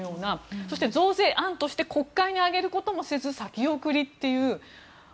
そして増税案として国会に上げることもせず先送りという。